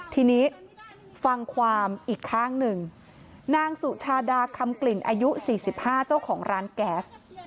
ทีนี้ฟังความอีกข้างหนึ่งนางสุชาดาคำกลิ่นอายุ๔๕เจ้าของร้านแก๊ส